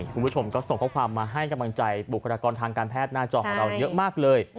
คุณผู้ชมก็ส่งข้อความมาให้กำลังใจบุคลากรทางการแพทย์หน้าจอของเราเยอะมากเลย